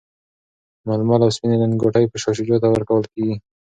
ململ او سپیني لنګوټې به شاه شجاع ته ورکول کیږي.